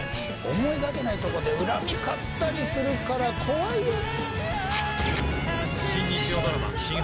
思いがけないとこで恨み買ったりするから怖いよね。